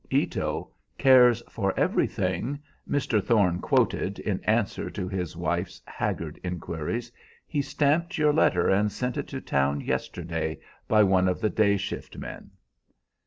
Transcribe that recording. "Ito cares for everything," Mr. Thorne quoted, in answer to his wife's haggard inquiries. "He stamped your letter and sent it to town yesterday by one of the day shift men."